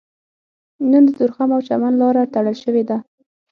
نن د تورخم او چمن لاره تړل شوې ده